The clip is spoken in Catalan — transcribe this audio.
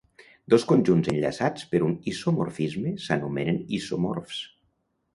Dos conjunts enllaçats per un isomorfisme s'anomenen isomorfs.